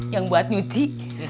yang buat nyuci